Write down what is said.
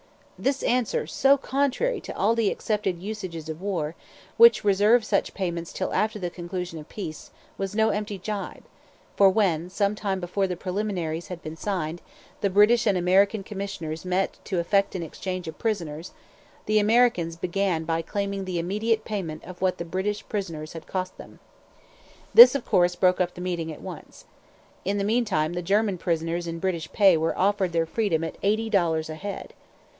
This answer, so contrary to all the accepted usages of war, which reserve such payments till after the conclusion of peace, was no empty gibe; for when, some time before the preliminaries had been signed, the British and American commissioners met to effect an exchange of prisoners, the Americans began by claiming the immediate payment of what the British prisoners had cost them. This of course broke up the meeting at once. In the meantime the German prisoners in British pay were offered their freedom at eighty dollars a head.